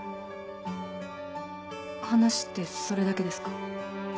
話ってそれだけですか？